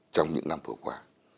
trong những năm vừa qua